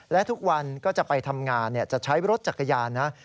และทุกวันก็จะไปทำงานจะใช้รถจักรยานนะ